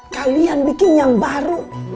kalian bikin yang baru